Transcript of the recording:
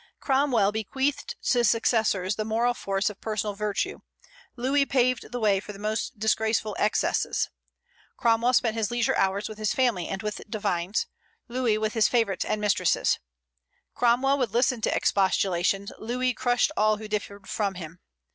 Cromwell bequeathed to successors the moral force of personal virtue, Louis paved the way for the most disgraceful excesses; Cromwell spent his leisure hours with his family and with divines, Louis with his favorites and mistresses; Cromwell would listen to expostulations, Louis crushed all who differed from him.